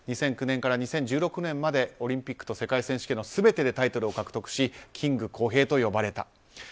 ２００９年から２０１６年までのオリンピックと世界選手権の全てでタイトルを獲得しキングコウヘイと呼ばれた。